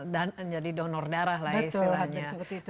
dan menjadi donor darah lah istilahnya